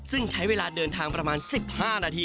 ซึ่งใช้เวลาเดินทางประมาณ๑๕นาที